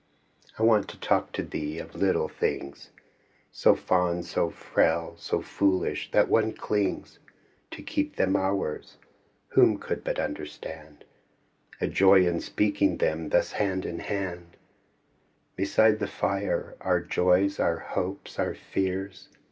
I want to talk to thee of little things So fond, so frail, so foolish that one clings To keep them ours — ^who could but understand A joy in speaking them, thus hand in hand Beside the fire; our joys, our hopes, our fears.